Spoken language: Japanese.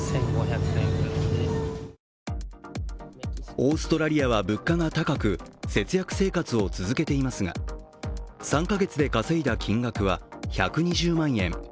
オーストラリアは物価が高く節約生活を続けていますが、３か月で稼いだ金額は１２０万円。